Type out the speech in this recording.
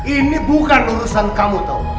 ini bukan urusan kamu tuh